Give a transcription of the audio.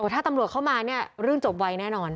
ถ้าตำรวจเขามาเรื่องจบไว้แน่นอน